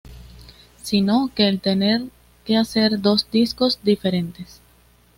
sino que el tener que hacer dos discos diferentes